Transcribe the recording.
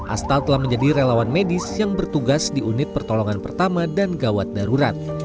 astal telah menjadi relawan medis yang bertugas di unit pertolongan pertama dan gawat darurat